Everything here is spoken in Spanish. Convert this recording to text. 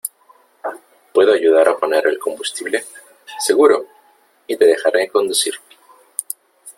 ¿ Puedo ayudar a poner el combustible ?¡ seguro ! y te dejaré conducir .